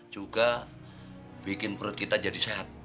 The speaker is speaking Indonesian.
juga bikin perut kita jadi sehat